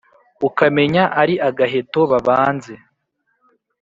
ukamenya ari agaheto babanze !